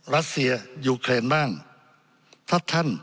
รัฐประหาร